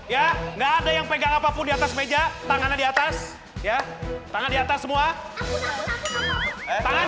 ya enggak ada yang pegang apapun di atas meja tangannya di atas ya tangan di atas semua tangan